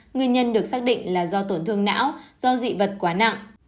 nguyên nhân được xác định là do tổn thương não do dị vật quá nặng